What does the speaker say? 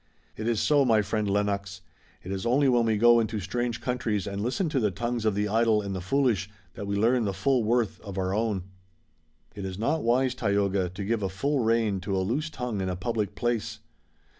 "It is so, my friend Lennox. It is only when we go into strange countries and listen to the tongues of the idle and the foolish that we learn the full worth of our own." "It is not wise, Tayoga, to give a full rein to a loose tongue in a public place."